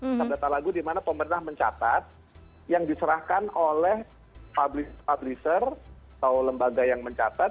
kita data lagu dimana pemerintah mencatat yang diserahkan oleh publisher atau lembaga yang mencatat